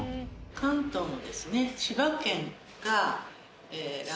関東のですね。